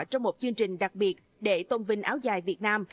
trong một chương trình đặc biệt để tôn vinh áo dài việt nam